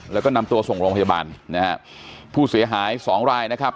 แล้วก็นำตัวส่งโรงพยาบาลนะฮะผู้เสียหายสองรายนะครับ